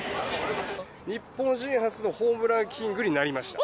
日本人初のホームランキングになりました。